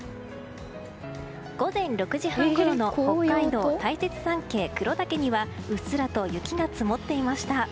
午前６時半ごろの北海道大雪山系・黒岳にはうっすらと雪が積もっていました。